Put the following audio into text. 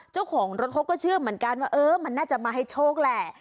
เจ้าของรถเขาก็เชื่อเหมือนกันว่าเออมันน่าจะมาให้โชคแหละ